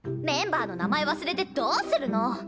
メンバーの名前忘れてどうするの！